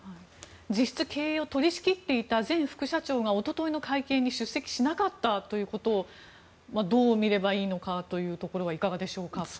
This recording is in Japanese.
実質経営を取り仕切っていた前副社長がおとといの会見に出席しなかったことをどう見ればいいのかというところはいかがでしょうか。